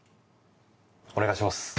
お願いします。